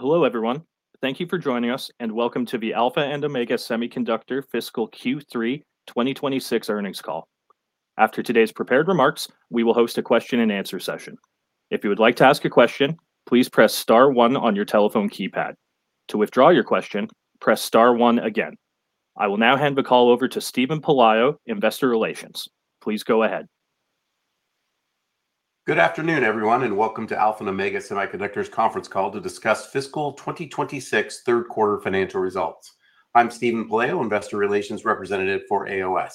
Hello, everyone. Thank you for joining us, and welcome to the Alpha and Omega Semiconductor Fiscal Q3 2026 earnings call. After today's prepared remarks, we will host a question and answer session. If you would like to ask a question, please press star one on your telephone keypad. To withdraw your question, press star one again. I will now hand the call over to Steven Pelayo, investor relations. Please go ahead. Good afternoon, everyone, and welcome to Alpha and Omega Semiconductor's conference call to discuss fiscal 2026 third quarter financial results. I'm Steven Pelayo, Investor Relations representative for AOS.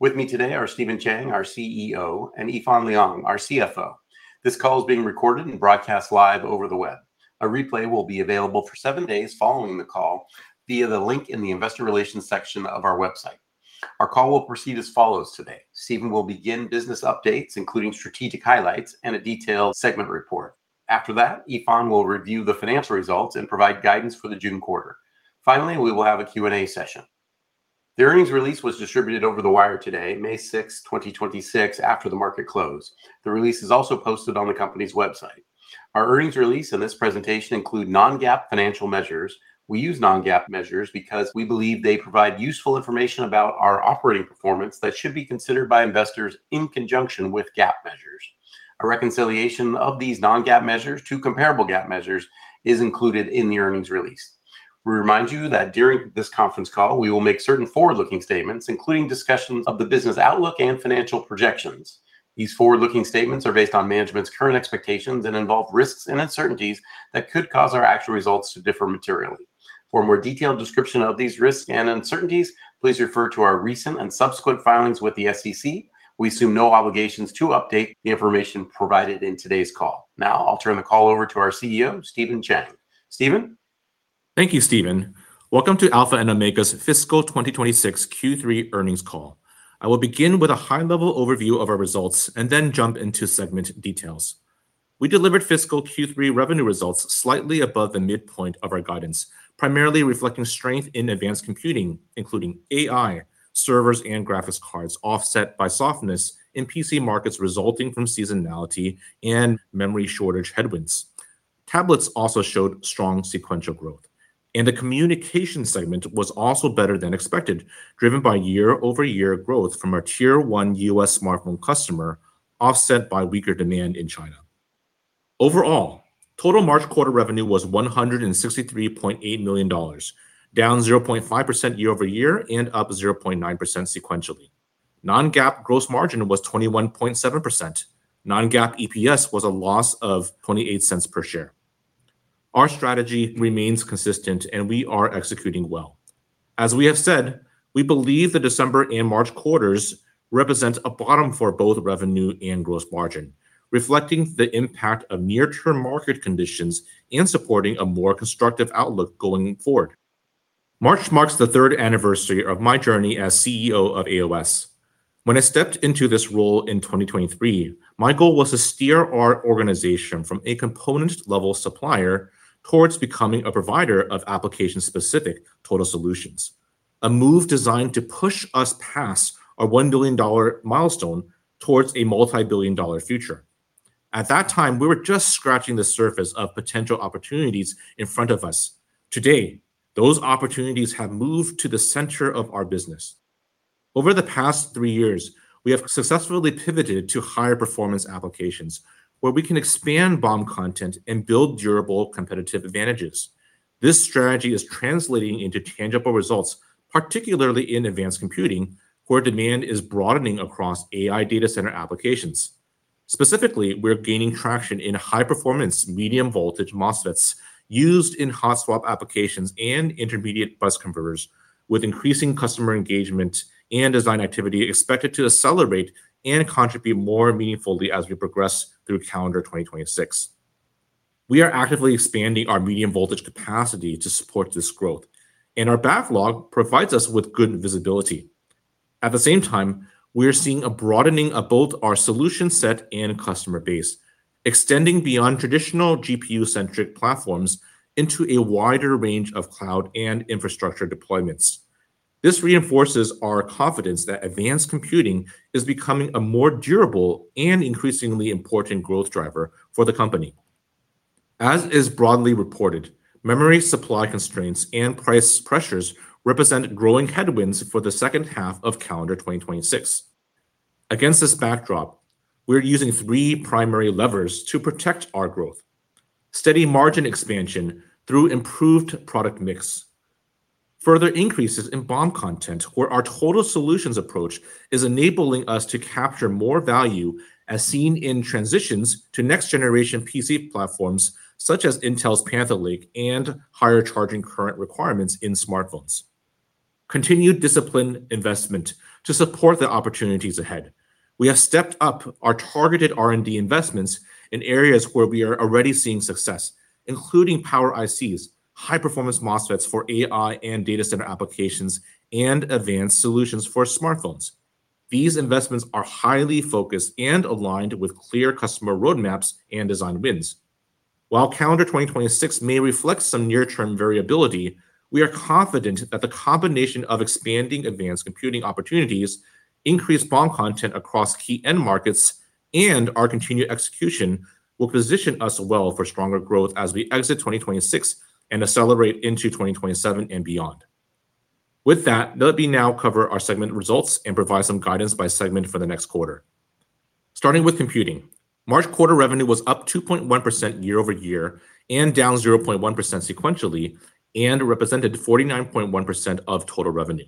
With me today are Stephen Chang, our CEO, and Yifan Liang, our CFO. This call is being recorded and broadcast live over the web. A replay will be available for seven days following the call via the link in the Investor Relations section of our website. Our call will proceed as follows today. Stephen will begin business updates, including strategic highlights and a detailed segment report. After that, Yifan will review the financial results and provide guidance for the June quarter. Finally, we will have a Q&A session. The earnings release was distributed over the wire today, May 6th, 2026, after the market close. The release is also posted on the company's website. Our earnings release and this presentation include non-GAAP financial measures. We use non-GAAP measures because we believe they provide useful information about our operating performance that should be considered by investors in conjunction with GAAP measures. A reconciliation of these non-GAAP measures to comparable GAAP measures is included in the earnings release. We remind you that during this conference call, we will make certain forward-looking statements, including discussions of the business outlook and financial projections. These forward-looking statements are based on management's current expectations and involve risks and uncertainties that could cause our actual results to differ materially. For a more detailed description of these risks and uncertainties, please refer to our recent and subsequent filings with the SEC. We assume no obligations to update the information provided in today's call. Now, I'll turn the call over to our CEO, Stephen Chang. Steven? Thank you, Steven. Welcome to Alpha and Omega's fiscal 2026 Q3 earnings call. I will begin with a high-level overview of our results and then jump into segment details. We delivered fiscal Q3 revenue results slightly above the midpoint of our guidance, primarily reflecting strength in advanced computing, including AI, servers, and graphics cards, offset by softness in PC markets resulting from seasonality and memory shortage headwinds. Tablets also showed strong sequential growth, the communication segment was also better than expected, driven by year-over-year growth from our Tier one US smartphone customer, offset by weaker demand in China. Overall, total March quarter revenue was $163.8 million, down 0.5% year-over-year and up 0.9% sequentially. Non-GAAP gross margin was 21.7%. Non-GAAP EPS was a loss of $0.28 per share. Our strategy remains consistent, we are executing well. As we have said, we believe the December and March quarters represent a bottom for both revenue and gross margin, reflecting the impact of near-term market conditions and supporting a more constructive outlook going forward. March marks the third anniversary of my journey as CEO of AOS. When I stepped into this role in 2023, my goal was to steer our organization from a component-level supplier towards becoming a provider of application-specific total solutions, a move designed to push us past our $1 billion milestone towards a multi-billion dollar future. At that time, we were just scratching the surface of potential opportunities in front of us. Today, those opportunities have moved to the center of our business. Over the past three years, we have successfully pivoted to higher performance applications where we can expand BOM content and build durable competitive advantages. This strategy is translating into tangible results, particularly in advanced computing, where demand is broadening across AI data center applications. Specifically, we're gaining traction in high-performance medium voltage MOSFETs used in hot swap applications and intermediate bus converters with increasing customer engagement and design activity expected to accelerate and contribute more meaningfully as we progress through calendar 2026. We are actively expanding our medium voltage capacity to support this growth, and our backlog provides us with good visibility. At the same time, we are seeing a broadening of both our solution set and customer base, extending beyond traditional GPU-centric platforms into a wider range of cloud and infrastructure deployments. This reinforces our confidence that advanced computing is becoming a more durable and increasingly important growth driver for the company. As is broadly reported, memory supply constraints and price pressures represent growing headwinds for the second half of calendar 2026. Against this backdrop, we're using three primary levers to protect our growth. Steady margin expansion through improved product mix. Further increases in BOM content, where our total solutions approach is enabling us to capture more value as seen in transitions to next-generation PC platforms such as Intel's Panther Lake and higher charging current requirements in smartphones. Continued disciplined investment to support the opportunities ahead. We have stepped up our targeted R&D investments in areas where we are already seeing success, including power ICs, high-performance MOSFETs for AI and data center applications, and advanced solutions for smartphones. These investments are highly focused and aligned with clear customer roadmaps and design wins. While calendar 2026 may reflect some near-term variability. We are confident that the combination of expanding advanced computing opportunities, increased BOM content across key end markets, and our continued execution will position us well for stronger growth as we exit 2026 and accelerate into 2027 and beyond. With that, let me now cover our segment results and provide some guidance by segment for the next quarter. Starting with computing, March quarter revenue was up 2.1% year-over-year and down 0.1% sequentially and represented 49.1% of total revenue.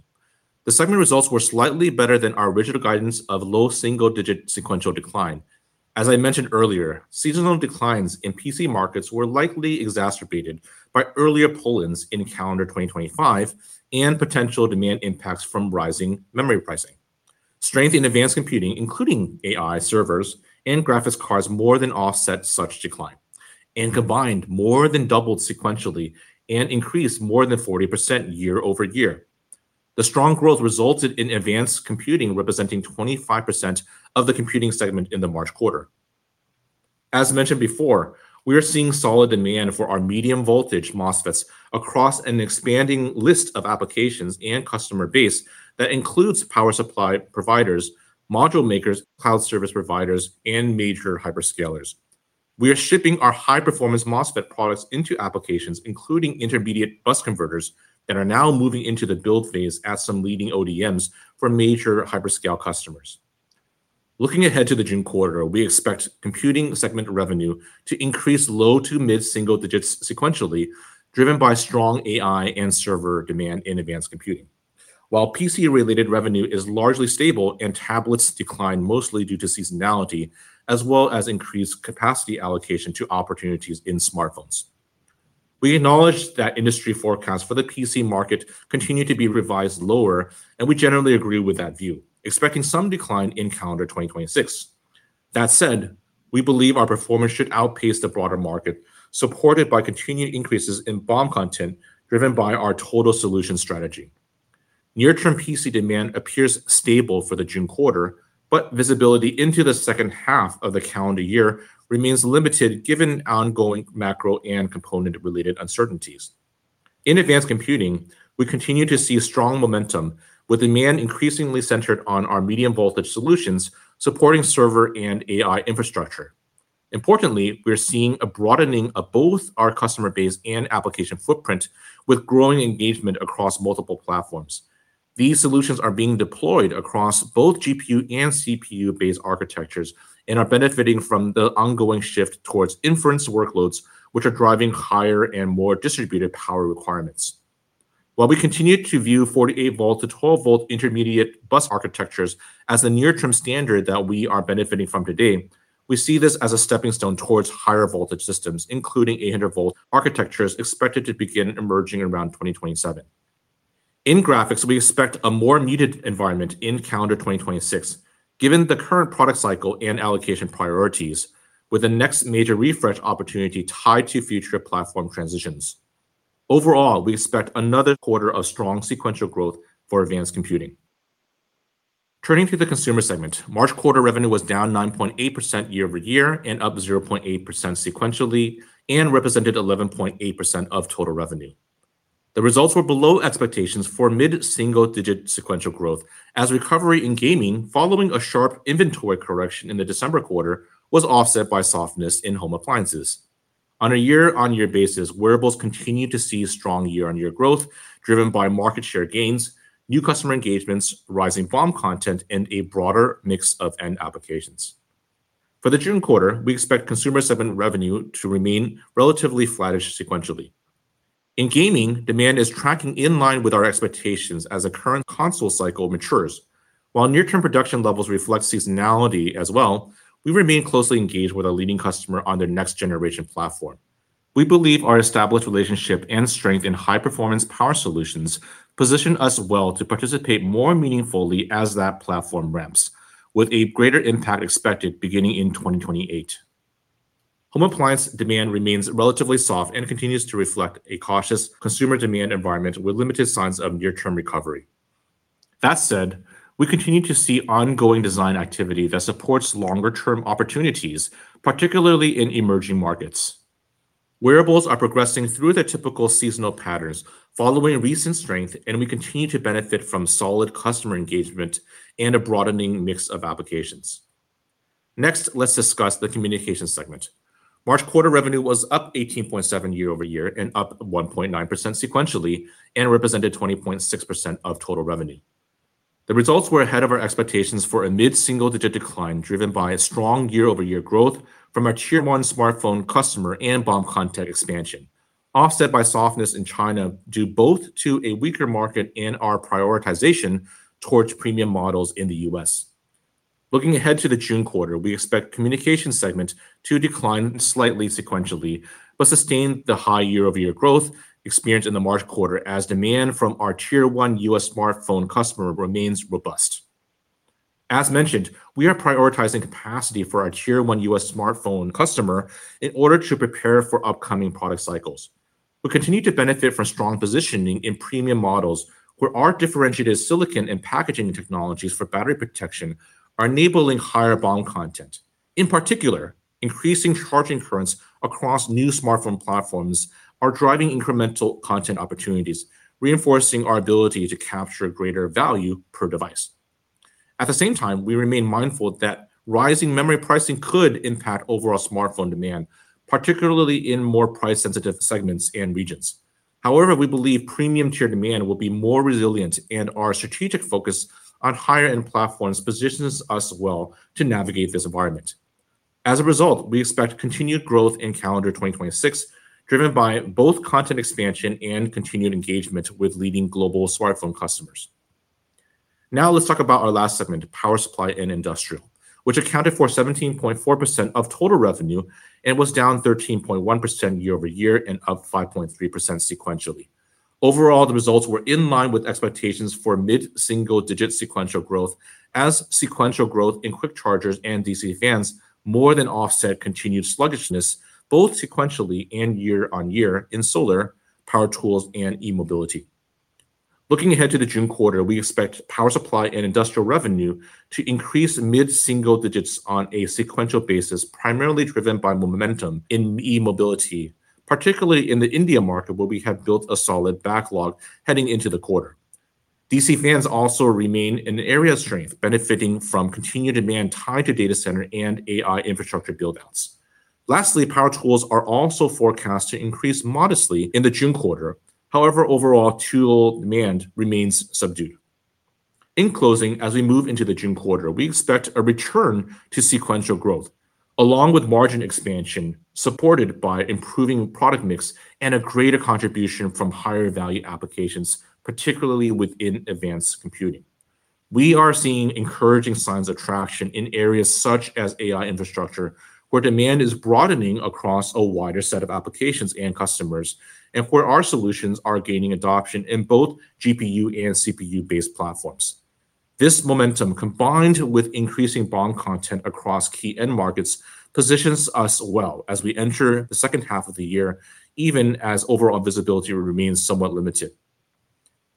The segment results were slightly better than our original guidance of low single-digit sequential decline. As I mentioned earlier, seasonal declines in PC markets were likely exacerbated by earlier pull-ins in calendar 2025 and potential demand impacts from rising memory pricing. Strength in advanced computing, including AI servers and graphics cards, more than offset such decline, and combined more than doubled sequentially and increased more than 40% year-over-year. The strong growth resulted in advanced computing representing 25% of the computing segment in the March quarter. As mentioned before, we are seeing solid demand for our medium voltage MOSFETs across an expanding list of applications and customer base that includes power supply providers, module makers, cloud service providers, and major hyperscalers. We are shipping our high-performance MOSFET products into applications, including intermediate bus converters, that are now moving into the build phase at some leading ODMs for major hyperscale customers. Looking ahead to the June quarter, we expect computing segment revenue to increase low to mid single digits sequentially, driven by strong AI and server demand in advanced computing. While PC-related revenue is largely stable and tablets decline mostly due to seasonality, as well as increased capacity allocation to opportunities in smartphones. We acknowledge that industry forecasts for the PC market continue to be revised lower, we generally agree with that view, expecting some decline in calendar 2026. That said, we believe our performance should outpace the broader market, supported by continued increases in BOM content driven by our total solution strategy. Near-term PC demand appears stable for the June quarter, visibility into the second half of the calendar year remains limited given ongoing macro and component-related uncertainties. In advanced computing, we continue to see strong momentum with demand increasingly centered on our medium-voltage solutions supporting server and AI infrastructure. Importantly, we are seeing a broadening of both our customer base and application footprint with growing engagement across multiple platforms. These solutions are being deployed across both GPU and CPU-based architectures and are benefiting from the ongoing shift towards inference workloads, which are driving higher and more distributed power requirements. While we continue to view 48 volt to 12 volt intermediate bus architectures as the near-term standard that we are benefiting from today, we see this as a stepping stone towards higher voltage systems, including 800 volt architectures expected to begin emerging around 2027. In graphics, we expect a more muted environment in calendar 2026, given the current product cycle and allocation priorities, with the next major refresh opportunity tied to future platform transitions. Overall, we expect another quarter of strong sequential growth for advanced computing. Turning to the consumer segment, March quarter revenue was down 9.8% year-over-year and up 0.8% sequentially and represented 11.8% of total revenue. The results were below expectations for mid-single-digit sequential growth as recovery in gaming, following a sharp inventory correction in the December quarter, was offset by softness in home appliances. On a year-on-year basis, wearables continue to see strong year-on-year growth driven by market share gains, new customer engagements, rising BOM content, and a broader mix of end applications. For the June quarter, we expect consumer segment revenue to remain relatively flattish sequentially. In gaming, demand is tracking in line with our expectations as the current console cycle matures. While near-term production levels reflect seasonality as well, we remain closely engaged with our leading customer on their next generation platform. We believe our established relationship and strength in high-performance power solutions position us well to participate more meaningfully as that platform ramps, with a greater impact expected beginning in 2028. Home appliance demand remains relatively soft and continues to reflect a cautious consumer demand environment with limited signs of near-term recovery. That said, we continue to see ongoing design activity that supports longer-term opportunities, particularly in emerging markets. Wearables are progressing through their typical seasonal patterns following recent strength, and we continue to benefit from solid customer engagement and a broadening mix of applications. Next, let's discuss the communication segment. March quarter revenue was up 18.7% year-over-year and up 1.9% sequentially and represented 20.6% of total revenue. The results were ahead of our expectations for a mid-single digit decline driven by a strong year-over-year growth from our tier one smartphone customer and BOM content expansion, offset by softness in China due both to a weaker market and our prioritization towards premium models in the U.S. Looking ahead to the June quarter, we expect communication segment to decline slightly sequentially but sustain the high year-over-year growth experienced in the March quarter as demand from our tier one US smartphone customer remains robust. As mentioned, we are prioritizing capacity for our tier one US smartphone customer in order to prepare for upcoming product cycles. Continue to benefit from strong positioning in premium models where our differentiated silicon and packaging technologies for battery protection are enabling higher BOM content. In particular, increasing charging currents across new smartphone platforms are driving incremental content opportunities, reinforcing our ability to capture greater value per device. At the same time, we remain mindful that rising memory pricing could impact overall smartphone demand, particularly in more price-sensitive segments and regions. However, we believe premium tier demand will be more resilient, and our strategic focus on higher-end platforms positions us well to navigate this environment. As a result, we expect continued growth in calendar 2026, driven by both content expansion and continued engagement with leading global smartphone customers. Now let's talk about our last segment, power supply and industrial, which accounted for 17.4% of total revenue and was down 13.1% year-over-year and up 5.3% sequentially. Overall, the results were in line with expectations for mid-single-digit sequential growth as sequential growth in quick chargers and DC fans more than offset continued sluggishness, both sequentially and year-on-year in solar, power tools, and e-mobility. Looking ahead to the June quarter, we expect power supply and industrial revenue to increase mid-single digits on a sequential basis, primarily driven by momentum in e-mobility, particularly in the India market where we have built a solid backlog heading into the quarter. DC fans also remain an area of strength, benefiting from continued demand tied to data center and AI infrastructure build-outs. Power tools are also forecast to increase modestly in the June quarter. However, overall tool demand remains subdued. In closing, as we move into the June quarter, we expect a return to sequential growth along with margin expansion supported by improving product mix and a greater contribution from higher value applications, particularly within advanced computing. We are seeing encouraging signs of traction in areas such as AI infrastructure, where demand is broadening across a wider set of applications and customers, and where our solutions are gaining adoption in both GPU and CPU-based platforms. This momentum, combined with increasing BOM content across key end markets, positions us well as we enter the second half of the year, even as overall visibility remains somewhat limited.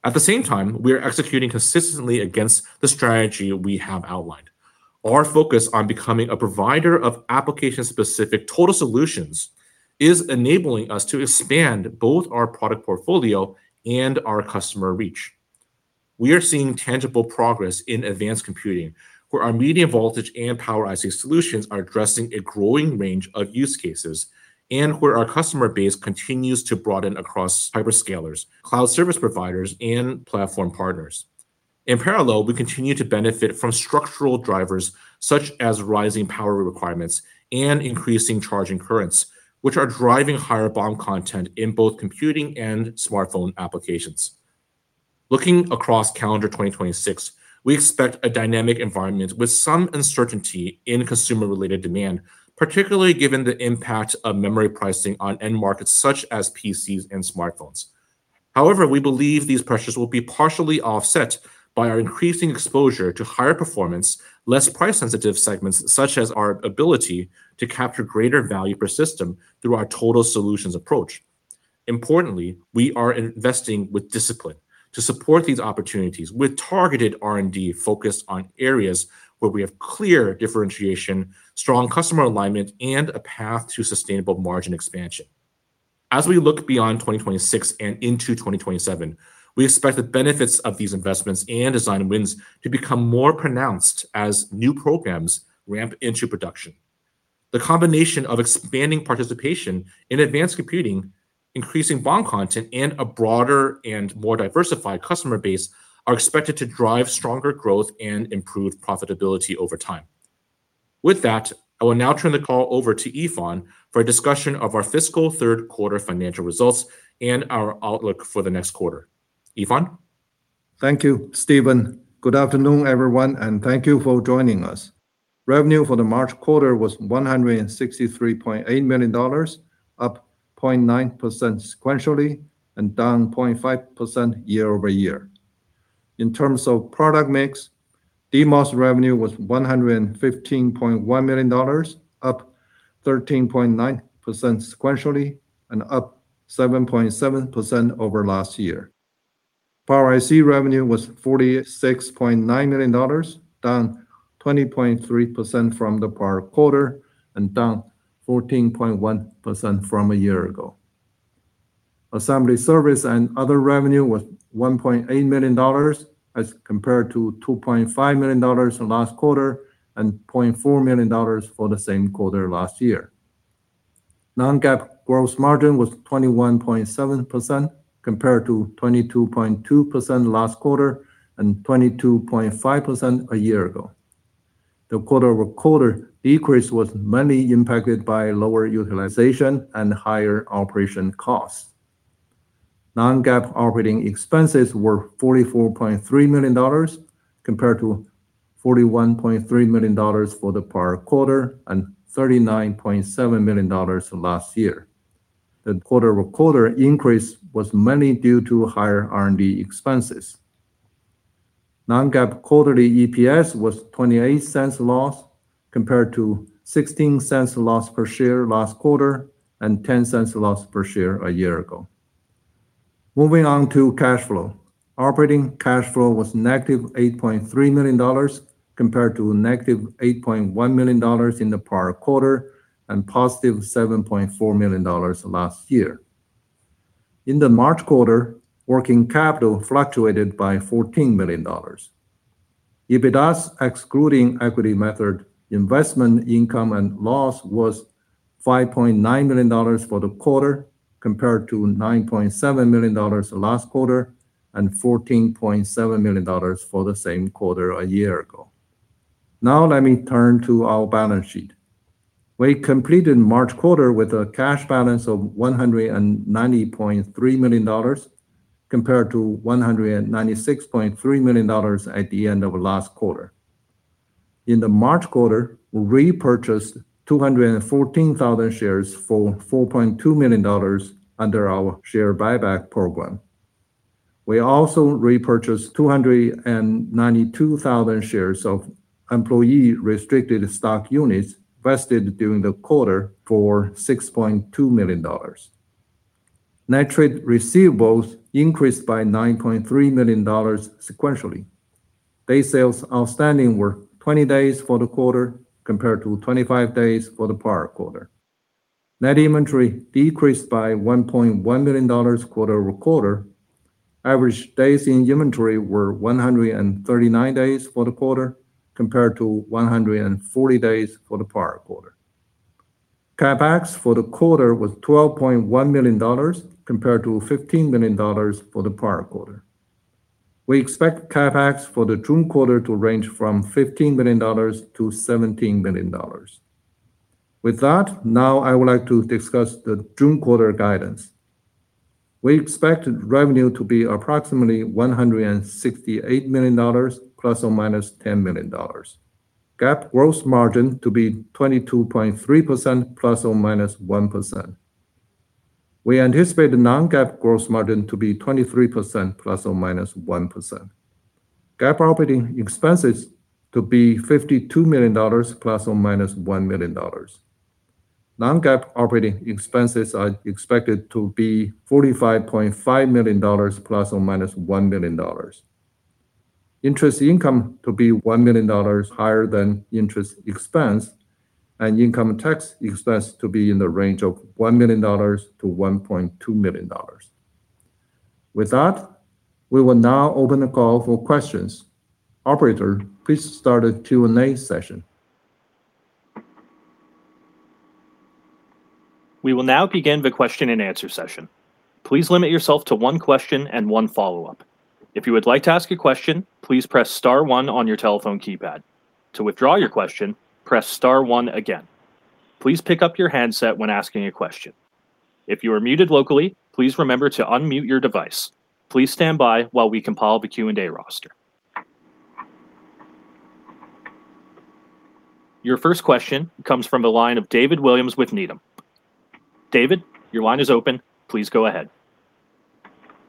At the same time, we are executing consistently against the strategy we have outlined. Our focus on becoming a provider of application-specific total solutions is enabling us to expand both our product portfolio and our customer reach. We are seeing tangible progress in advanced computing, where our medium voltage and power IC solutions are addressing a growing range of use cases and where our customer base continues to broaden across hyperscalers, cloud service providers, and platform partners. In parallel, we continue to benefit from structural drivers such as rising power requirements and increasing charging currents, which are driving higher BOM content in both computing and smartphone applications. Looking across calendar 2026, we expect a dynamic environment with some uncertainty in consumer-related demand, particularly given the impact of memory pricing on end markets such as PCs and smartphones. However, we believe these pressures will be partially offset by our increasing exposure to higher performance, less price-sensitive segments, such as our ability to capture greater value per system through our total solutions approach. Importantly, we are investing with discipline to support these opportunities with targeted R&D focused on areas where we have clear differentiation, strong customer alignment, and a path to sustainable margin expansion. As we look beyond 2026 and into 2027, we expect the benefits of these investments and design wins to become more pronounced as new programs ramp into production. The combination of expanding participation in advanced computing, increasing BOM content, and a broader and more diversified customer base are expected to drive stronger growth and improved profitability over time. With that, I will now turn the call over to Yifan for a discussion of our fiscal third quarter financial results and our outlook for the next quarter. Yifan? Thank you, Stephen. Good afternoon, everyone, and thank you for joining us. Revenue for the March quarter was $163.8 million, up 0.9% sequentially and down 0.5% year-over-year. In terms of product mix, DMOS revenue was $115.1 million, up 13.9% sequentially and up 7.7% over last year. Power IC revenue was $46.9 million, down 20.3% from the prior quarter and down 14.1% from a year ago. Assembly service and other revenue was $1.8 million as compared to $2.5 million in last quarter and $0.4 million for the same quarter last year. Non-GAAP gross margin was 21.7% compared to 22.2% last quarter and 22.5% a year ago. The quarter-over-quarter decrease was mainly impacted by lower utilization and higher operation costs. Non-GAAP operating expenses were $44.3 million compared to $41.3 million for the prior quarter and $39.7 million last year. The quarter-over-quarter increase was mainly due to higher R&D expenses. Non-GAAP quarterly EPS was $0.28 loss, compared to $0.16 loss per share last quarter and $0.10 loss per share a year ago. Moving on to cash flow. Operating cash flow was negative $8.3 million compared to negative $8.1 million in the prior quarter and positive $7.4 million last year. In the March quarter, working capital fluctuated by $14 million. EBITDA, excluding equity method, investment income and loss was $5.9 million for the quarter, compared to $9.7 million last quarter and $14.7 million for the same quarter a year ago. Let me turn to our balance sheet. We completed March quarter with a cash balance of $190.3 million, compared to $196.3 million at the end of last quarter. In the March quarter, we repurchased 214,000 shares for $4.2 million under our share buyback program. We also repurchased 292,000 shares of employee restricted stock units vested during the quarter for $6.2 million. Net trade receivables increased by $9.3 million sequentially. Day sales outstanding were 20 days for the quarter, compared to 25 days for the prior quarter. Net inventory decreased by $1.1 million quarter-over-quarter. Average days in inventory were 139 days for the quarter, compared to 140 days for the prior quarter. CapEx for the quarter was $12.1 million, compared to $15 million for the prior quarter. We expect CapEx for the June quarter to range from $15 million-$17 million. With that, now I would like to discuss the June quarter guidance. We expect revenue to be approximately $168 million ±$10 million. GAAP gross margin to be 22.3% ±1%. We anticipate the non-GAAP gross margin to be 23% ± 1%. GAAP operating expenses to be $52 million ± $1 million. Non-GAAP operating expenses are expected to be $45.5 million ± $1 million. Interest income to be $1 million higher than interest expense, and income tax expense to be in the range of $1 million-$1.2 million. With that, we will now open the call for questions. Operator, please start the Q&A session. Your first question comes from the line of David Williams with Needham. David, your line is open. Please go ahead.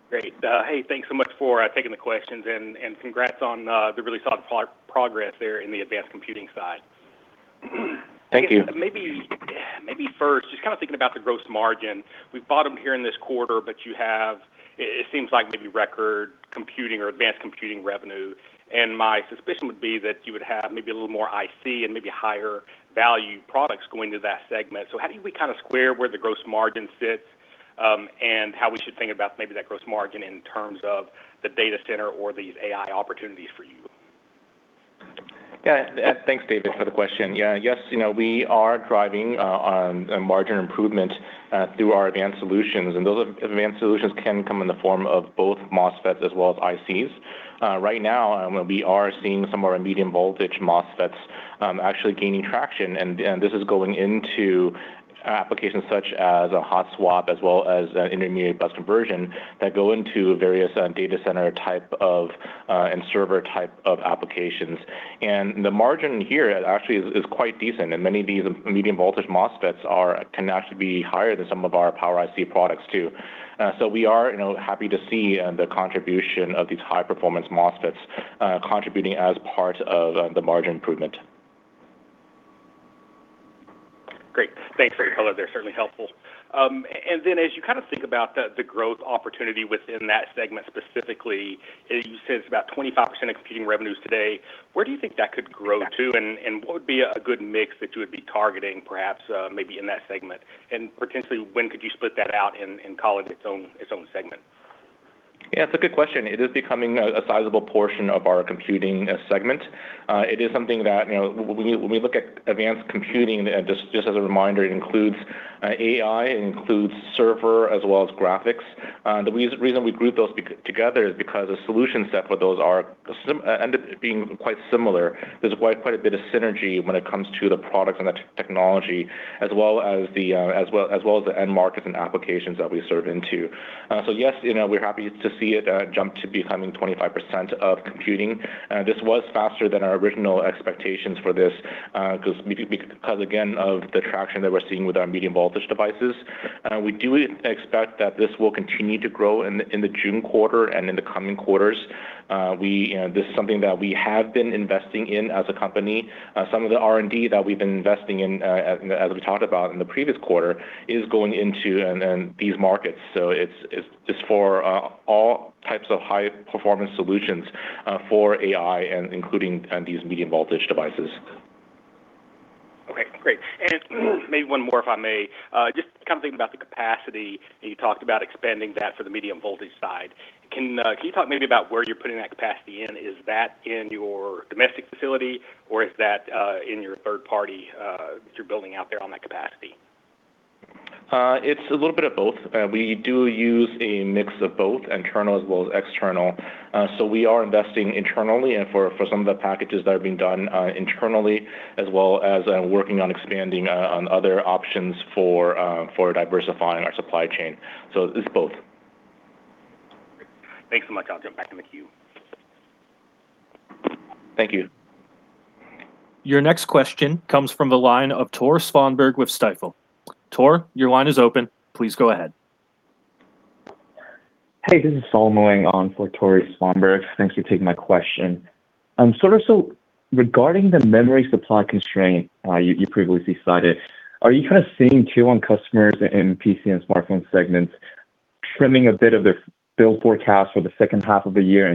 Great. Hey, thanks so much for taking the questions, and congrats on the really solid progress there in the advanced computing side. Thank you. Maybe first, just kind of thinking about the gross margin. We bought them here in this quarter, you have, it seems like maybe record computing or advanced computing revenue. My suspicion would be that you would have maybe a little more IC and maybe higher value products going to that segment. How do we kind of square where the gross margin sits, and how we should think about maybe that gross margin in terms of the data center or these AI opportunities for you? Yeah, thanks, David, for the question. Yes, you know, we are driving margin improvement through our advanced solutions, and those advanced solutions can come in the form of both MOSFETs as well as ICs. Right now, we are seeing some of our medium voltage MOSFETs actually gaining traction, and this is going into applications such as a hot swap as well as an intermediate bus conversion that go into various data center type of and server type of applications. The margin here actually is quite decent, and many of these medium voltage MOSFETs can actually be higher than some of our power IC products too. We are, you know, happy to see the contribution of these high-performance MOSFETs contributing as part of the margin improvement. Great. Thanks for your color. They're certainly helpful. As you kind of think about the growth opportunity within that segment specifically, you said it's about 25% of computing revenues today. Where do you think that could grow to, and what would be a good mix that you would be targeting perhaps, maybe in that segment? Potentially, when could you split that out and call it its own segment? It's a good question. It is becoming a sizable portion of our computing segment. It is something that, you know, when we look at advanced computing, and just as a reminder, it includes AI, it includes server as well as graphics. The reason we group those together is because the solution set for those end up being quite similar. There's quite a bit of synergy when it comes to the products and the technology as well as the end markets and applications that we serve into. Yes, you know, we're happy to see it jump to becoming 25% of computing. This was faster than our original expectations for this because again, of the traction that we're seeing with our medium voltage devices. We do expect that this will continue to grow in the June quarter and in the coming quarters. We, you know, this is something that we have been investing in as a company. Some of the R&D that we've been investing in, as we talked about in the previous quarter, is going into these markets. It's for all types of high-performance solutions for AI and including these medium voltage devices. Great. Maybe one more, if I may. Just kind of thinking about the capacity, and you talked about expanding that for the medium voltage side. Can you talk maybe about where you're putting that capacity in? Is that in your domestic facility, or is that in your third party that you're building out there on that capacity? It's a little bit of both. We do use a mix of both internal as well as external. We are investing internally and for some of the packages that are being done, internally as well as, working on expanding, on other options for diversifying our supply chain. It's both. Thanks so much. I'll jump back in the queue. Thank you. Your next question comes from the line of Tore Svanberg with Stifel. Tore, your line is open. Please go ahead. Hey, this is Sol Moing on for Tore Svanberg. Thanks for taking my question. Regarding the memory supply constraint you previously cited, are you kind of seeing to your customers in PC and smartphone segments trimming a bit of their bill forecast for the second half of the year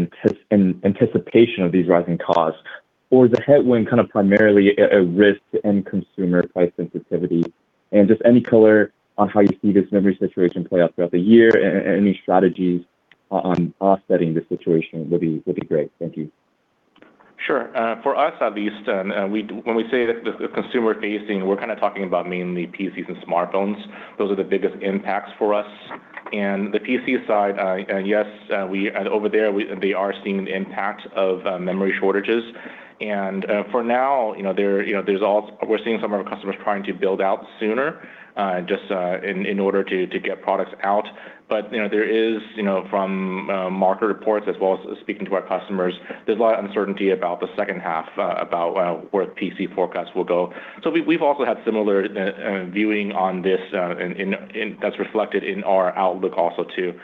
in anticipation of these rising costs? Or is the headwind kind of primarily a risk to end consumer price sensitivity? Just any color on how you see this memory situation play out throughout the year and any strategies on offsetting the situation would be great. Thank you. Sure. For us at least, when we say the consumer facing, we're kind of talking about mainly PCs and smartphones. Those are the biggest impacts for us. The PC side, yes, Over there, they are seeing the impact of memory shortages. For now, you know, We're seeing some of our customers trying to build out sooner, just in order to get products out. You know, there is, you know, from market reports as well as speaking to our customers, there's a lot of uncertainty about the second half about where PC forecasts will go. We, we've also had similar viewing on this, and that's reflected in our outlook also too.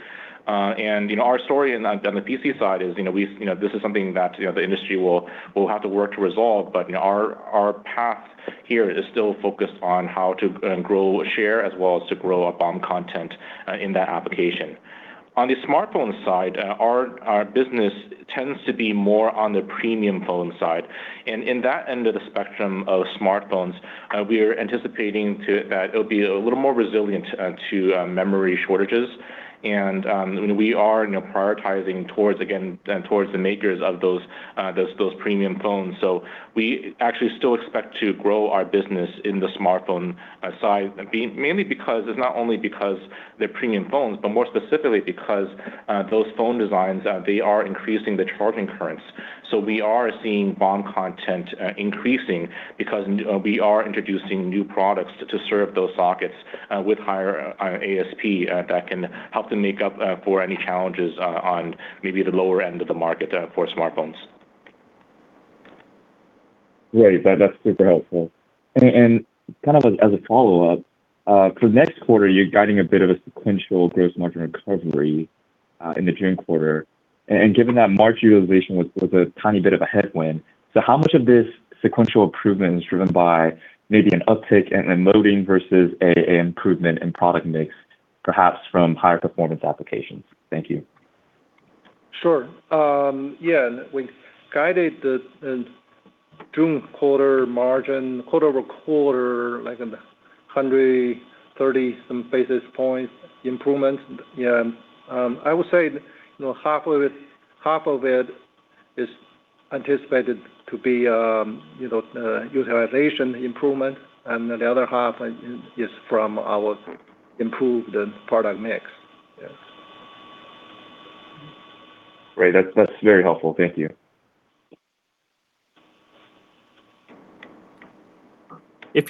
you know, our story on the PC side is, you know, we, you know, this is something that, you know, the industry will have to work to resolve. you know, our path here is still focused on how to grow share as well as to grow our BOM content in that application. On the smartphone side, our business tends to be more on the premium phone side. In that end of the spectrum of smartphones, we're anticipating that it'll be a little more resilient to memory shortages. and we are, you know, prioritizing towards, again, towards the makers of those premium phones. We actually still expect to grow our business in the smartphone side, mainly because it's not only because they're premium phones, but more specifically because those phone designs, they are increasing the charging currents. We are seeing BOM content increasing because we are introducing new products to serve those sockets with higher ASP that can help to make up for any challenges on maybe the lower end of the market for smartphones. Great. That's super helpful. Kind of as a follow-up, for next quarter, you're guiding a bit of a sequential gross margin recovery, in the June quarter. Given that March utilization was a tiny bit of a headwind, so how much of this sequential improvement is driven by maybe an uptick in utilization versus a improvement in product mix, perhaps from higher performance applications? Thank you. Sure. We guided the June quarter margin quarter-over-quarter, like in the 130 some basis points improvement. I would say, you know, half of it is anticipated to be, you know, utilization improvement and the other half is from our improved product mix. Great. That's very helpful. Thank you. Your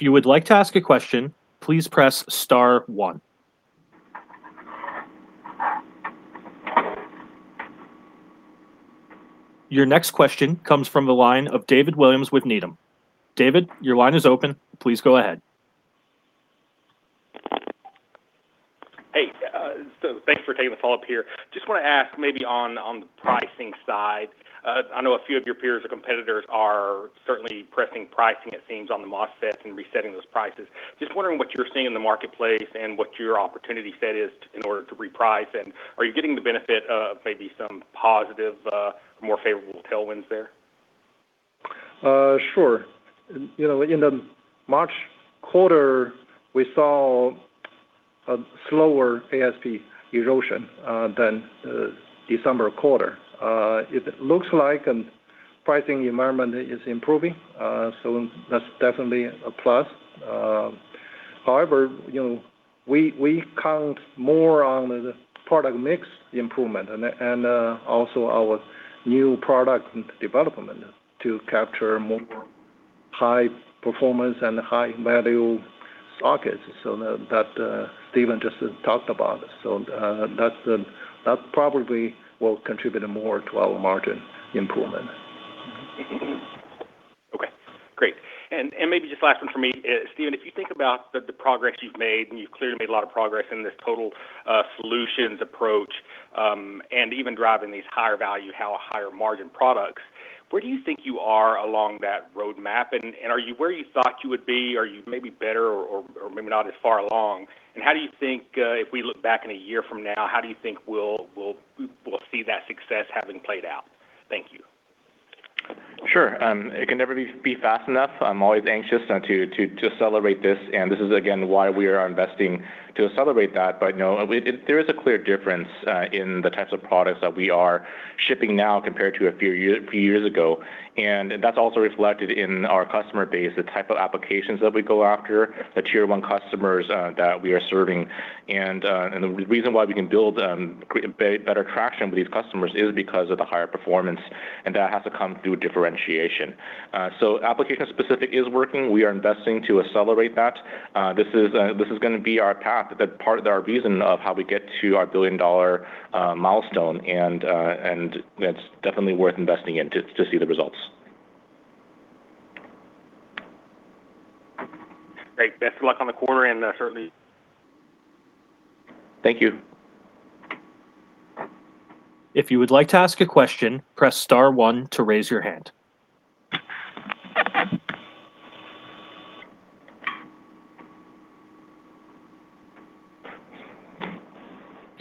next question comes from the line of David Williams with Needham. David, your line is open. Please go ahead. Hey, thanks for taking the follow-up here. Just wanna ask maybe on the pricing side. I know a few of your peers or competitors are certainly pressing pricing it seems on the MOSFETs and resetting those prices. Just wondering what you're seeing in the marketplace and what your opportunity set is in order to reprice. Are you getting the benefit of maybe some positive, more favorable tailwinds there? Sure. You know, in the March quarter, we saw a slower ASP erosion than the December quarter. It looks like pricing environment is improving, that's definitely a plus. However, you know, we count more on the product mix improvement and also our new product development to capture more high performance and high value sockets. That Stephen just talked about. That probably will contribute more to our margin improvement. Okay, great. Maybe just last one for me. Stephen, if you think about the progress you've made, and you've clearly made a lot of progress in this total solutions approach, and even driving these higher value, higher margin products, where do you think you are along that roadmap? Are you where you thought you would be? Are you maybe better or maybe not as far along? How do you think, if we look back in a year from now, how do you think we'll see that success having played out? Thank you. Sure. It can never be fast enough. I'm always anxious to celebrate this. This is again why we are investing to celebrate that. No, there is a clear difference in the types of products that we are shipping now compared to a few years ago. That's also reflected in our customer base, the type of applications that we go after, the tier one customers that we are serving. The reason why we can build better traction with these customers is because of the higher performance. That has to come through differentiation. Application specific is working. We are investing to accelerate that. This is, this is gonna be our path, the part of our reason of how we get to our billion-dollar milestone, and that's definitely worth investing in to see the results. Great. Best of luck on the quarter and, certainly Thank you.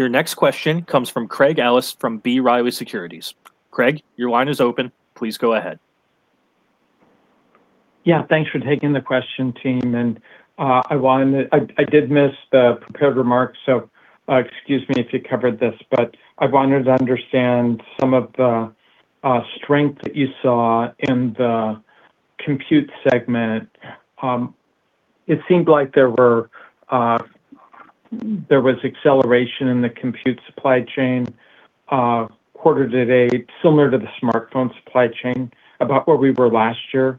Your next question comes from Craig Ellis from B. Riley Securities. Craig, your line is open. Please go ahead. Yeah. Thanks for taking the question, team, I did miss the prepared remarks, excuse me if you covered this. I wanted to understand some of the strength that you saw in the compute segment. It seemed like there were, there was acceleration in the compute supply chain, quarter to date, similar to the smartphone supply chain, about where we were last year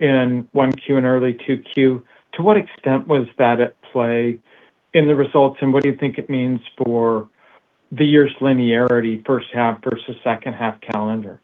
in 1Q and early 2Q. To what extent was that at play in the results, and what do you think it means for the year's linearity, first half versus second half calendar?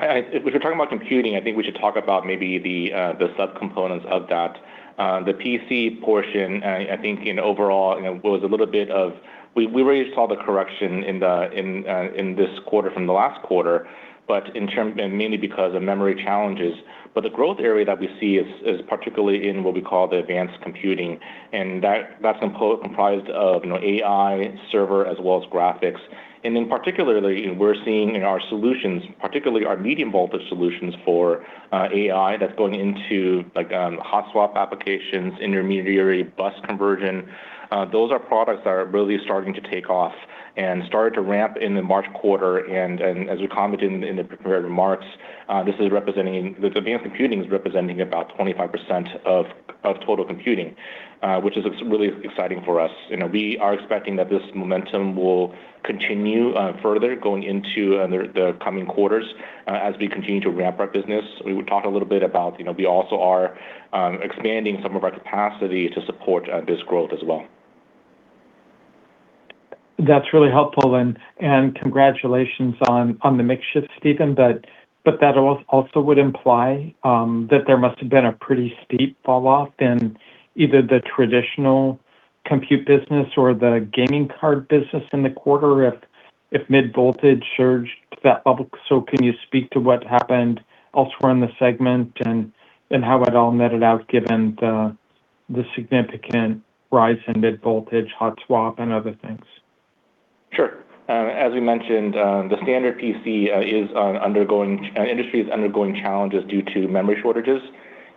If we're talking about computing, I think we should talk about maybe the subcomponents of that. The PC portion, I think in overall, was a little bit of we already saw the correction in this quarter from the last quarter, mainly because of memory challenges. The growth area that we see is particularly in what we call the advanced computing, and that's comprised of AI, server, as well as graphics. Particularly, we're seeing in our solutions, particularly our medium-voltage solutions for AI that's going into like hot swap applications, intermediate bus conversion, those are products that are really starting to take off and started to ramp in the March quarter. As we commented in the prepared remarks, the advanced computing is representing about 25% of total computing, which is, it's really exciting for us. You know, we are expecting that this momentum will continue further going into the coming quarters. As we continue to ramp our business, we would talk a little bit about, you know, we also are expanding some of our capacity to support this growth as well. That's really helpful and congratulations on the mix shift, Stephen. That also would imply that there must have been a pretty steep falloff in either the traditional compute business or the graphics cards business in the quarter if mid-voltage surged to that level. Can you speak to what happened elsewhere in the segment and how it all netted out given the significant rise in mid-voltage hot swap and other things? Sure. As we mentioned, the standard PC industry is undergoing challenges due to memory shortages.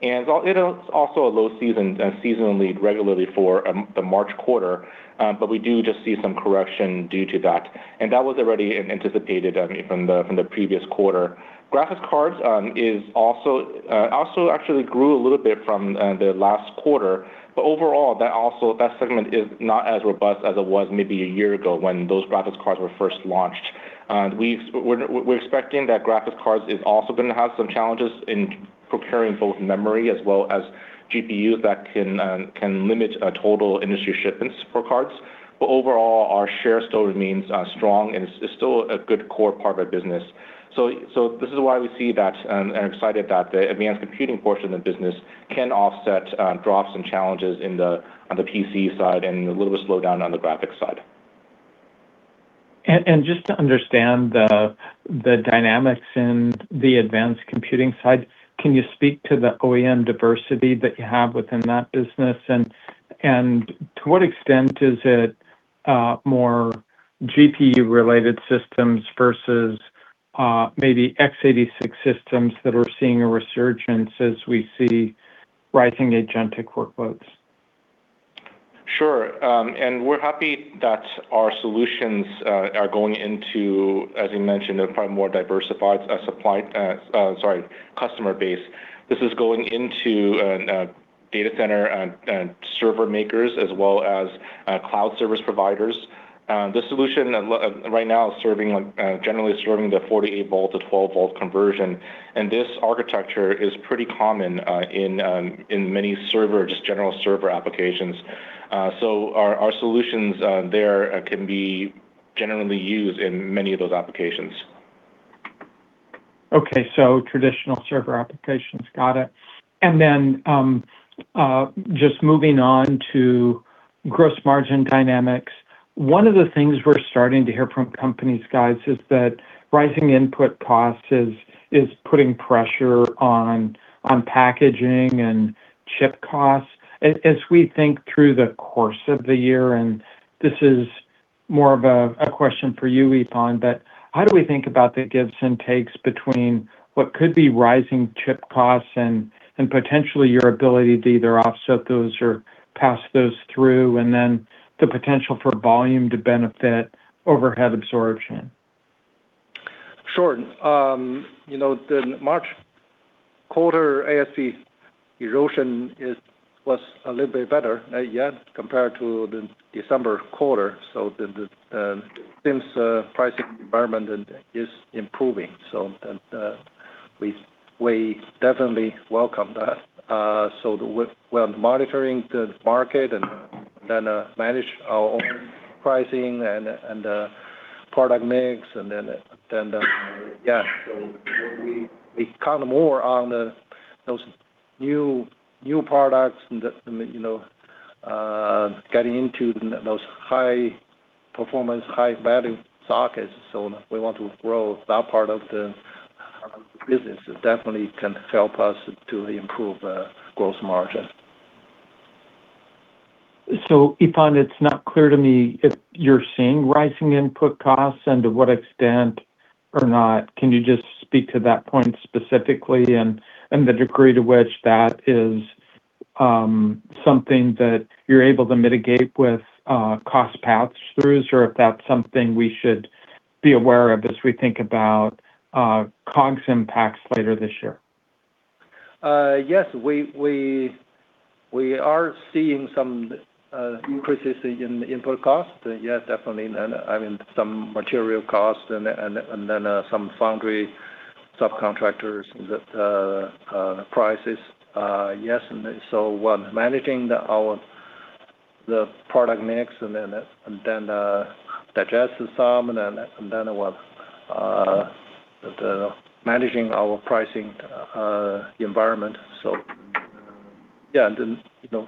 It was also a low season, seasonally regularly for the March quarter, but we do just see some correction due to that. That was already anticipated, I mean, from the previous quarter. Graphics cards also actually grew a little bit from the last quarter. Overall, that segment is not as robust as it was maybe a year ago when those graphics cards were first launched. We're expecting that graphics cards is also going to have some challenges in preparing both memory as well as GPUs that can limit total industry shipments for cards. Overall, our share still remains strong and is still a good core part of our business. This is why we see that and are excited that the advanced computing portion of the business can offset drops and challenges on the PC side and a little bit slowdown on the graphics side. Just to understand the dynamics in the advanced computing side, can you speak to the OEM diversity that you have within that business? To what extent is it more GPU-related systems versus maybe x86 systems that are seeing a resurgence as we see rising agentic workloads? Sure. We're happy that our solutions are going into, as you mentioned, a far more diversified, supplied, sorry, customer base. This is going into data center and server makers as well as cloud service providers. The solution right now is serving generally serving the 48 volt to 12 volt conversion, and this architecture is pretty common in many server, just general server applications. Our solutions there can be generally used in many of those applications. Okay. Traditional server applications. Got it. Just moving on to gross margin dynamics. One of the things we're starting to hear from companies, guys, is that rising input costs is putting pressure on packaging and chip costs. As we think through the course of the year, and this is more of a question for you, Yifan. How do we think about the gives and takes between what could be rising chip costs and potentially your ability to either offset those or pass those through, and then the potential for volume to benefit overhead absorption? Sure. You know, the March quarter ASP erosion was a little bit better compared to the December quarter. Since pricing environment is improving. We definitely welcome that. We're monitoring the market and manage our own pricing and product mix. We count more on those new products and the, you know, getting into those high performance, high value sockets. We want to grow that part of the business. It definitely can help us to improve gross margin. Yifan, it's not clear to me if you're seeing rising input costs and to what extent or not. Can you just speak to that point specifically and the degree to which that is something that you're able to mitigate with cost pass-throughs or if that's something we should be aware of as we think about COGS impacts later this year? Yes, we are seeing some increases in input cost. Yes, definitely. I mean, some material costs and then some foundry subcontractors that prices, yes. We're managing the product mix and then digest some and then we're managing the pricing environment. Yeah. You know,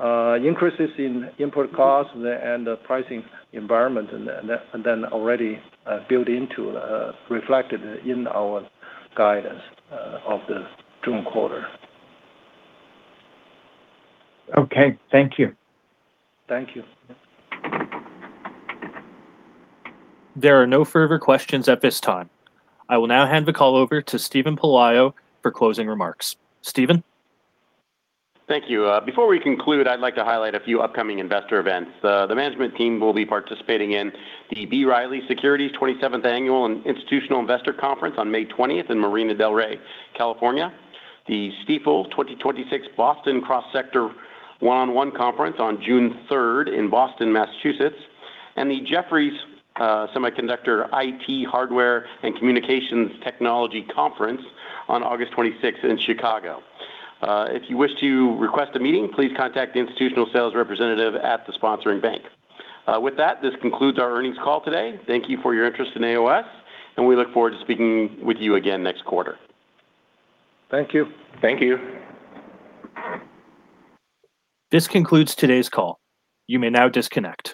those increases in input costs and the pricing environment and then already built into reflected in our guidance of the June quarter. Okay. Thank you. Thank you. There are no further questions at this time. I will now hand the call over to Steven Pelayo for closing remarks. Steven? Thank you. Before we conclude, I'd like to highlight a few upcoming investor events. The management team will be participating in the B. Riley Securities 27th Annual Institutional Investor Conference on May 20th in Marina del Rey, California, the Stifel 2026 Boston Cross Sector One on One Conference on June 3rd in Boston, Massachusetts, and the Jefferies Semiconductor, IT, Hardware, and Communications Technology Conference on August 26th in Chicago. If you wish to request a meeting, please contact the institutional sales representative at the sponsoring bank. With that, this concludes our earnings call today. Thank you for your interest in AOS. We look forward to speaking with you again next quarter. Thank you. Thank you. This concludes today's call. You may now disconnect.